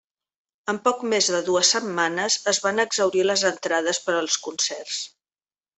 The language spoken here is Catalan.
En poc més de dues setmanes, es van exhaurir les entrades per als concerts.